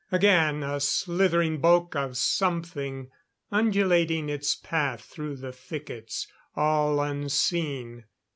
Again, a slithering bulk of something, undulating its path through the thickets. All unseen.